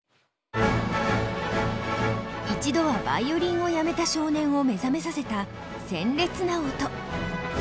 一度はヴァイオリンをやめた少年を目覚めさせた鮮烈な音。